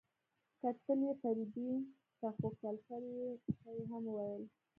کتل يې فريدې ته خو کلسري ته يې هم وويل.